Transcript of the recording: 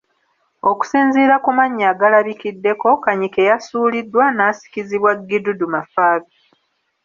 Okusinziira ku mannya agalabikiddeko, Kanyike yasuuliddwa n’asikizibwa Gidudu Mafabi.